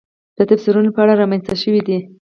د تفسیرونو په اړه رامنځته شوې دي.